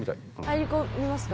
入り込みますか？